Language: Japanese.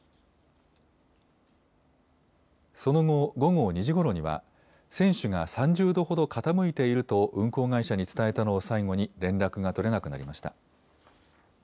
その後、午後２時ごろには、船首が３０度ほど傾いていると、運航会社に伝えたのを最後に、連絡が取れなくなりました。